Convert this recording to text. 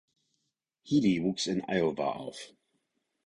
Healy wuchs in Iowa auf.